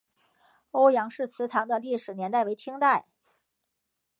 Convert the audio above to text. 欧阳氏祠堂的历史年代为清代。